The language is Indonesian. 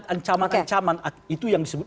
ancaman ancaman itu yang disebut